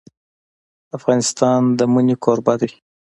افغانستان د منی کوربه دی.